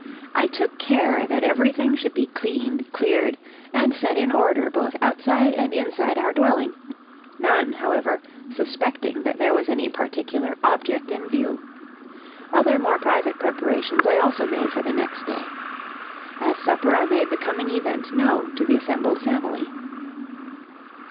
I took care that everything should be cleaned, cleared, and set in order both outside and inside our dwelling; none, however, suspecting that there was any particular object in view. Other more private preparations I also made for the next day. At supper I made the coming event known to the assembled family.